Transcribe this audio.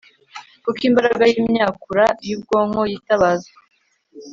kuko imbaraga yimyakura yubwonko yitabazwa